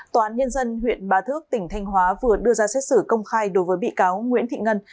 tòa án nhân dân huyện ba thước tỉnh thanh hóa vừa đưa ra xét xử công khai đối với bị cáo nguyễn thị ngân